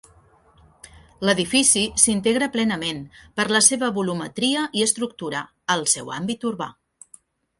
L'edifici s'integra plenament, per la seva volumetria i estructura, al seu àmbit urbà.